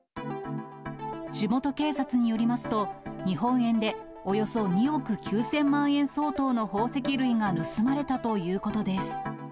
地元警察によりますと、日本円でおよそ２億９０００万円相当の宝石類が盗まれたということです。